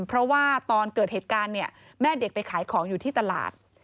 เพราะว่าตอนเกิดเหตุการณ์เนี่ยแม่เด็กไปขายของอยู่ที่ตลาด